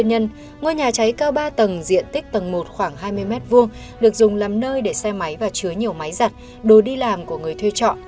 tầng ba tầng diện tích tầng một khoảng hai mươi m hai được dùng làm nơi để xe máy và chứa nhiều máy giặt đồ đi làm của người thuê trọ